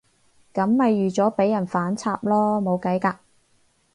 噉咪預咗畀人反插囉，冇計㗎